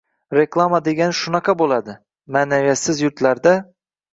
Reklama degani shunaqa bo‘ladi, ma’naviyatsiz yurtlarda